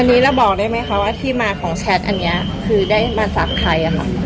อันนี้เราบอกได้ไหมคะว่าที่มาของแชทอันนี้คือได้มาจากใครค่ะ